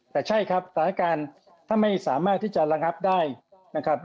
แต่ใช่ครับสถานการณ์ถ้าไม่สามารถที่จะระงับได้นะครับ